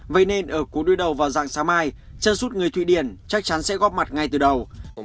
vậy nên ở cuối đuôi đầu vào dạng sáng mai chân sút người thụy điển chắc chắn sẽ góp mặt ngay từ đầu